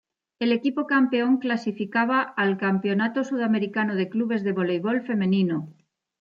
El equipo campeón clasificaba al Campeonato Sudamericano de Clubes de Voleibol Femenino.